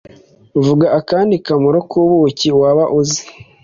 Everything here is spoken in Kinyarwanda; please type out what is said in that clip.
Vuga akandi kamaro k’ubuki waba uzi.